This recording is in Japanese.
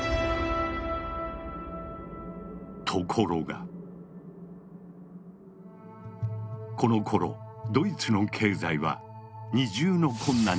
ところがこのころドイツの経済は二重の困難に見舞われていた。